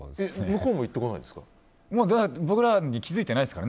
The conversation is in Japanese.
向こうも言ってこないんですか？